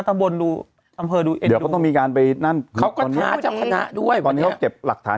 เอาบิดีไว้พี่ท่านบอกว่า